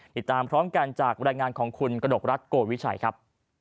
ติดตามพร้อมกันจากบรรยายงานของคุณกระดกรัฐโกวิชัยครับ